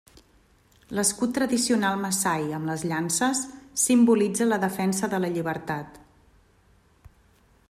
L'escut tradicional massai amb les llances simbolitza la defensa de la llibertat.